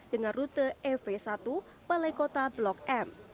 dengan rute ev satu balai kota blok m